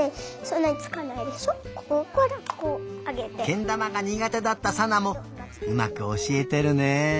けんだまがにがてだったさなもうまくおしえてるね。